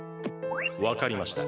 わかりました。